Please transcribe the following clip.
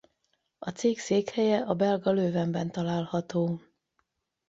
A cég székhelye a belga Leuvenben található.